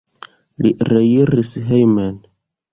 Li reiris hejmen.